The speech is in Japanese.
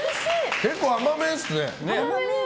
結構甘めですね。